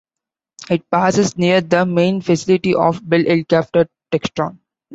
It passes near the main facility of Bell Helicopter Textron.